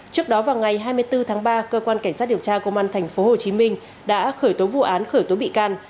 trước đó vào ngày hai mươi bốn tháng ba cơ quan cảnh sát điều tra công an thành phố hồ chí minh đã khởi tố vụ án khởi tố bị can